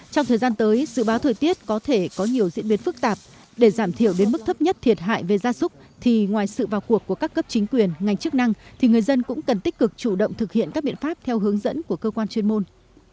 trong thời gian tới dự báo thời tiết có thể có nhiều diễn biến phức tạp để giảm thiểu đến mức thấp nhất thiệt hại về gia súc thì ngoài sự vào cuộc của các cấp chính quyền ngành chức năng thì người dân cũng cần tích cực chủ động thực hiện các biện pháp theo hướng dẫn của cơ quan chuyên môn